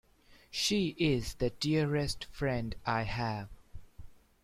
She is the dearest friend I have!